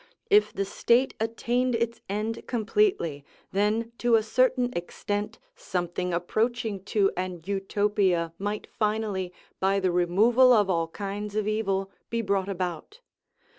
If the state attained its end completely, then to a certain extent something approaching to an Utopia might finally, by the removal of all kinds of evil, be brought about.